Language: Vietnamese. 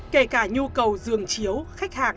kể cả nhu cầu giường chiếu khách hàng